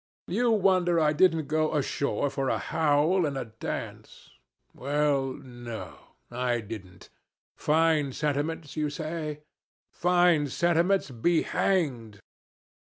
You wonder I didn't go ashore for a howl and a dance? Well, no I didn't. Fine sentiments, you say? Fine sentiments, be hanged!